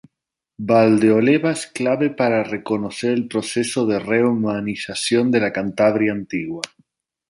Valdeolea es clave para conocer el proceso de romanización de la Cantabria antigua.